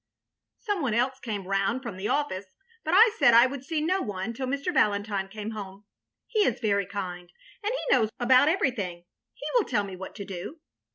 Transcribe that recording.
Some one else came round from the office, but I said I would see no one till Mr. Valentine came home. He is very kind and he knows about everything. He will tell me what to do.